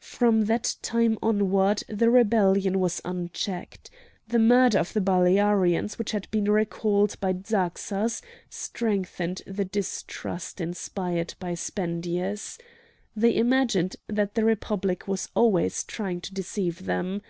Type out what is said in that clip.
From that time onward the rebellion was unchecked. The murder of the Balearians which had been recalled by Zarxas strengthened the distrust inspired by Spendius. They imagined that the Republic was always trying to deceive them.